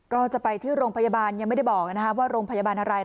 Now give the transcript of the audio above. ก็จะไปที่โรงพยาบาลยังไม่ได้บอกว่าโรงพยาบาลอะไร